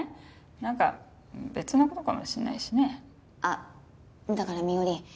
何か別のことかもしれないしねあっだから美織